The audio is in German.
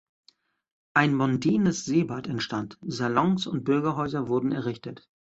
Ein mondänes Seebad entstand, Salons und Bürgerhäuser wurden errichtet.